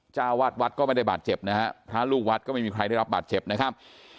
เจ้าวาดวัดก็ไม่ได้บาดเจ็บนะฮะพระลูกวัดก็ไม่มีใครได้รับบาดเจ็บนะครับ